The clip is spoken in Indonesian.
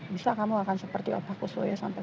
bisa kamu akan seperti pak yon sampai sembilan puluh